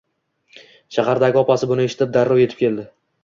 Shahardagi opasi buni eshitib darrov etib keldi